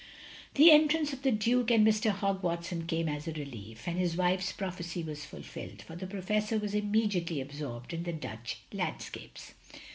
" The entrance of the Duke and Mr. Hogg Watson came as a relief; and his wife's prophecy was fulfilled, for the Professor was immediately absorbed in the Dutch landscapes.